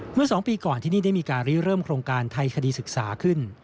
เมื่อ๒ปีก่อนที่นี่ได้มีการรีเริ่มโครงการไทยคดีศึกษาขึ้น